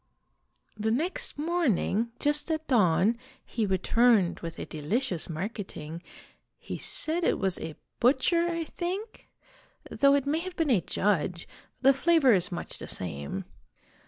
"The next morning, just at dawn, he returned with a delicious marketing, he said it was a butcher, I think, though it may have been a judge ; the flavor is much the same.